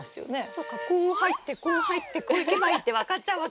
そっかこう入ってこう入ってこう行けばいいって分かっちゃうわけですね。